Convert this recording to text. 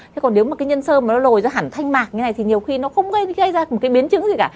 thế còn nếu mà cái nhân sơ mà nó lồi ra hẳn thanh mạc như này thì nhiều khi nó không gây ra một cái biến chứng gì cả